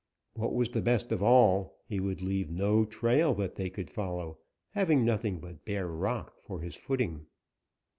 What was the best of all, he would leave no trail that they could follow, having nothing but bare rock for his footing.